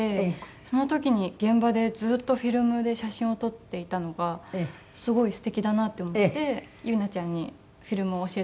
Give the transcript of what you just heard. その時に現場でずっとフィルムで写真を撮っていたのがすごいすてきだなって思って結菜ちゃんにフィルムを教えてもらいました。